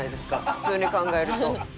普通に考えると。